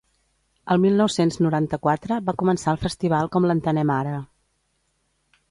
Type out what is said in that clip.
El mil nou-cents noranta-quatre va començar el festival com l’entenem ara.